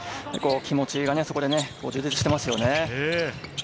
気持ちが充実していますよね。